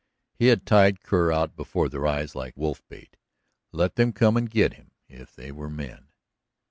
He had tied Kerr out before their eyes like wolf bait. Let them come and get him if they were men.